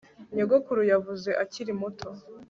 Nyogokuru yavuze akiri muto